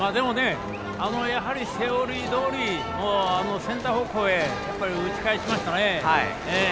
やはり、セオリーどおりセンター方向へ打ち返しましたね。